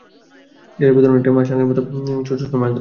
জালের ভেতর অনেকটাই মাছরাঙার মতো ডাইভ মেরে ছোট ছোট মাছ ধরে।